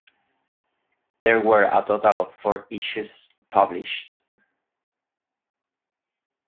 There were a total of four issues published.